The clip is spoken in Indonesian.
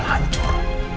lu bakal hancur